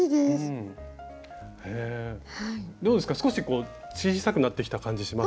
少し小さくなってきた感じします？